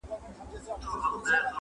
گوندي وي چي ټول کارونه دي پر لار سي٫